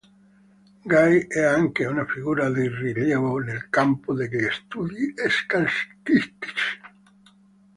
Guy è anche una figura di rilievo nel campo degli studi scacchistici.